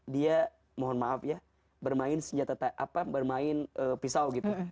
dia mohon maaf ya bermain senjata apa bermain pisau gitu